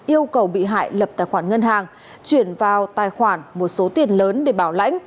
yêu cầu bị hại lập tài khoản ngân hàng chuyển vào tài khoản một số tiền lớn để bảo lãnh